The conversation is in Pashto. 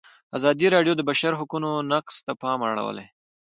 ازادي راډیو د د بشري حقونو نقض ته پام اړولی.